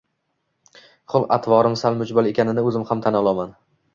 Xulq-atvorim sal mujmal ekanini o‘zim ham tan olaman